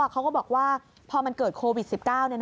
เขาก็บอกว่าพอมันเกิดโควิด๑๙